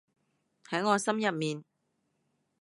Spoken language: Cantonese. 喺我心入面